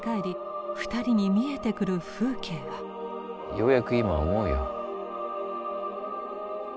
ようやく今思うよ。